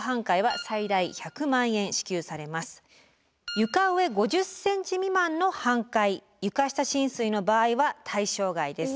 床上５０ｃｍ未満の半壊床下浸水の場合は対象外です。